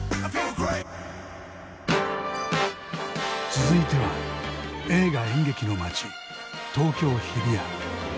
続いては映画演劇の街東京・日比谷。